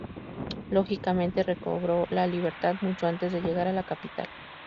Lógicamente, recobró la libertad mucho antes de llegar a la capital.